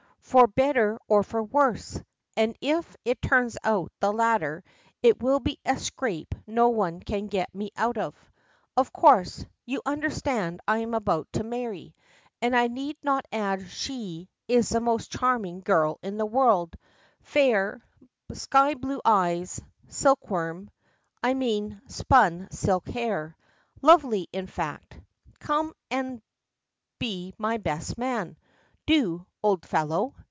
'For better or for worse,' and if it turns out the latter it will be a scrape no one can get me out of. Of course, you understand I am about to marry, and I need not add she is the most charming girl in the world: fair, sky blue eyes, silk worm I mean spun silk hair, lovely in fact! Come and be my best man: do, old fellow!